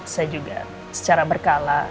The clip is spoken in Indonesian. saya juga secara berkala